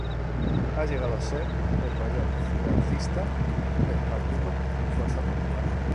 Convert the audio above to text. Ha llegado a ser el mayor financista del Partido Fuerza Popular.